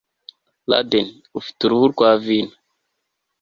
Laden ufite uruhu rwa vino